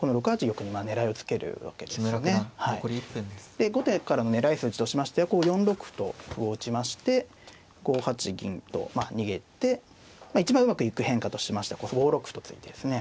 で後手からの狙い筋としましてはこう４六歩と歩を打ちまして５八銀とまあ逃げて一番うまくいく変化としましては５六歩と突いてですね